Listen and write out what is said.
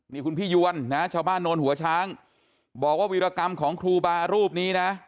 นี่คุณพี่ยวนนะชาวบ้านโนนหัวช้างบอกว่าวิรกรรมของครูบารูปนี้นะ